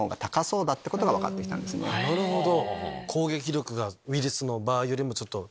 なるほど！